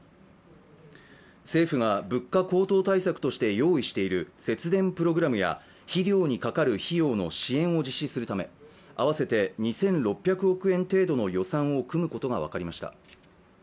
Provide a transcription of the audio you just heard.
政府が物価高騰対策として用意している節電プログラムや肥料にかかる費用の支援を実施するため合わせて２６００億円程度の予算を組むことが分かりました。